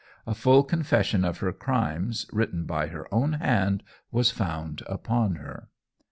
A full confession of her crimes, written by her own hand, was found upon her.